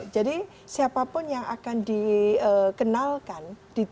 jadi siapapun yang akan dikenalkan